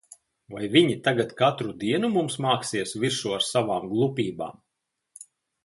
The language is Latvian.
Vai viņi tagad katru dienu mums māksies virsū ar savām glupībām?